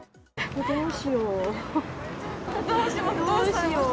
どうしよう。